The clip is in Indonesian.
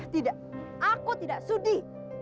tidak aku tidak sudi